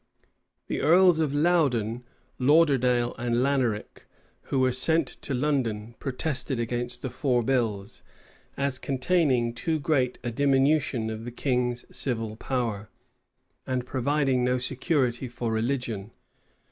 The earls of Loudon, Lauderdale, and Laneric, who were sent to London, protested against the four bills, as containing too great a diminution of the king's civil power, and providing no security for religion.